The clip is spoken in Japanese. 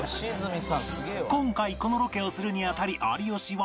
今回このロケをするにあたり有吉は